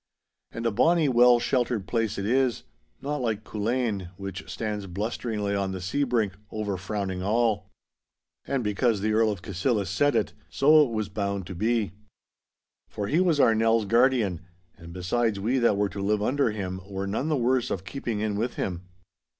And a bonny, well sheltered place it is—not like Culzean, which stands blusteringly on the seabrink, over frowning all. And because the Earl of Cassillis said it, so it was bound to be. For he was our Nell's guardian, and besides we that were to live under him, were none the worse of keeping in with him.